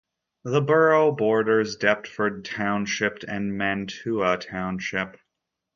The borough borders Deptford Township and Mantua Township.